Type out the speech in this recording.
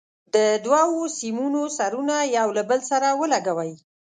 د دوو سیمونو سرونه یو له بل سره ولګوئ.